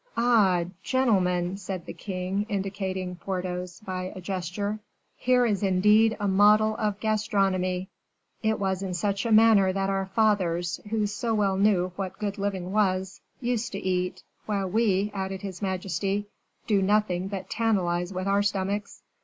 "Ah! gentlemen," said the king, indicating Porthos by a gesture, "here is indeed a model of gastronomy. It was in such a manner that our fathers, who so well knew what good living was, used to eat, while we," added his majesty, "do nothing but tantalize with our stomachs."